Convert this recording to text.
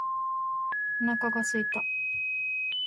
お腹が空いた